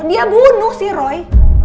dia bunuh si roy